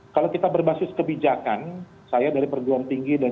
kalau kita berbasis kebijakan saya dari perjuang tinggi dan